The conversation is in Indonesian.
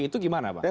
itu gimana pak